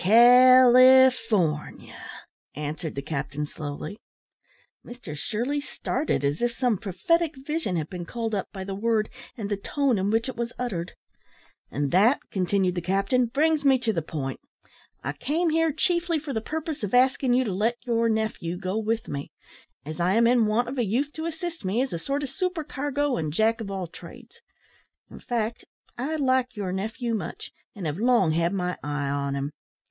"California," answered the captain, slowly. Mr Shirley started, as if some prophetic vision had been called up by the word and the tone, in which it was uttered. "And that," continued the captain, "brings me to the point. I came here chiefly for the purpose of asking you to let your nephew go with me, as I am in want of a youth to assist me, as a sort of supercargo and Jack of all trades. In fact, I like your nephew much, and have long had my eye on him.